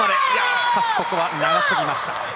しかしここは長すぎた。